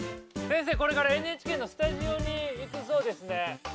先生はこれからＮＨＫのスタジオに行くそうですね。